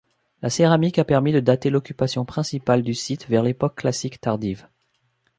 La céramique a permis de dater l’occupation principale du site vers l’époque classique tardive.